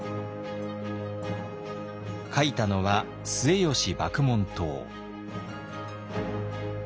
書いたのは末吉麦門冬。